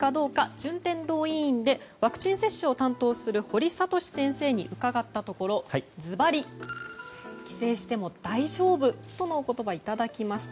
順天堂医院でワクチン接種を担当する堀賢先生に伺ったところズバリ、帰省しても大丈夫とのお言葉をいただきました。